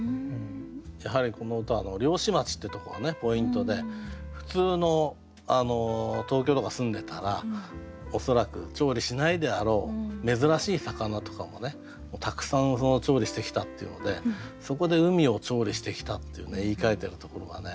やはりこの歌は「漁師町」ってところがポイントで普通の東京とか住んでたら恐らく調理しないであろう珍しい魚とかもたくさん調理してきたっていうのでそこで「海を調理してきた」って言いかえてるところがね